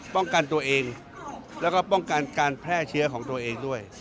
ป้องกันตัวเองแล้วก็ป้องกันการแพร่เชื้อของตัวเองด้วย